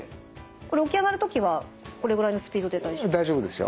これ起き上がるときはこれぐらいのスピードで大丈夫ですか？